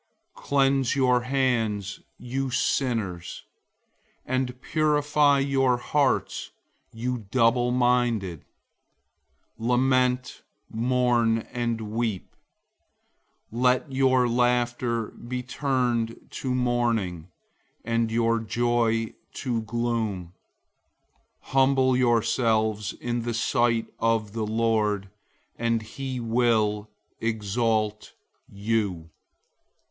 Cleanse your hands, you sinners; and purify your hearts, you double minded. 004:009 Lament, mourn, and weep. Let your laughter be turned to mourning, and your joy to gloom. 004:010 Humble yourselves in the sight of the Lord, and he will exalt you.